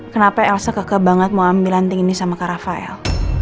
kenapa elsa keke banget mau ambil lanting ini sama kak rafael